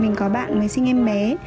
mình có bạn mới sinh em bé